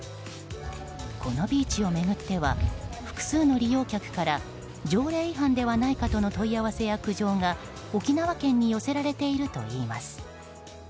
このビーチを巡っては複数の利用客から条例違反ではないかとの問い合わせや苦情が沖縄県に寄せられているといいます。